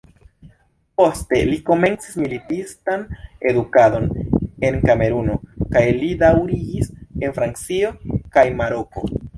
Poste li komencis militistan edukadon en Kameruno kaj li daŭrigis en Francio kaj Maroko.